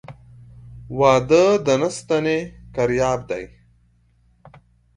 واده د نه ستني کرياب دى.